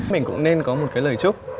mình cũng nên có một cái lời chúc